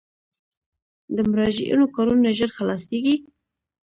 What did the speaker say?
د مراجعینو کارونه ژر خلاصیږي؟